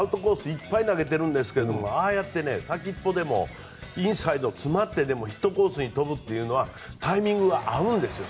いっぱいに投げてるんですがああやって先っぽでもインサイド詰まってでもヒットコースに飛ぶっていうのはタイミングが合うんですよ。